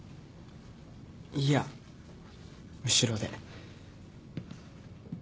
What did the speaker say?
いいや後ろで。